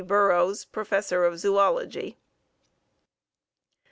Burrows, _Professor of Zoology.